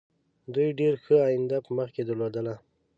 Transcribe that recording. دوی ډېره ښه آینده په مخکې درلودله.